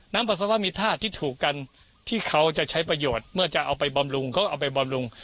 ปัสสาวะมีธาตุที่ถูกกันที่เขาจะใช้ประโยชน์เมื่อจะเอาไปบำรุงเขาก็เอาไปบำรุง